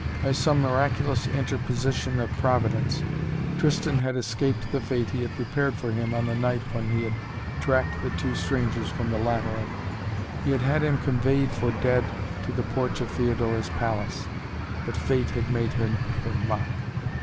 By some miraculous interposition of Providence Tristan had escaped the fate he had prepared for him on the night when he had tracked the two strangers from the Lateran. He had had him conveyed for dead to the porch of Theodora's palace. But Fate had made him her mock.